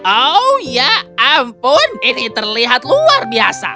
oh ya ampun ini terlihat luar biasa